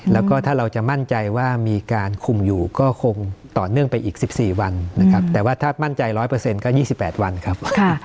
แล้วก็ถ้าเราจะมั่นใจว่ามีการคุมอยู่ก็คงต่อเนื่องไปอีก๑๔วันนะครับแต่ว่าถ้ามั่นใจ๑๐๐ก็๒๘วันครับ